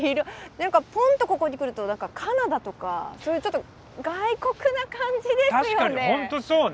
何かポンッとここに来ると何かカナダとかそういうちょっと外国な感じですよね。